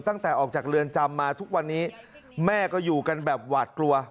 ตั้งแต่ออกจากเรือนจำมาทุกวันนี้แม่ก็อยู่กันแบบหวาดกลัว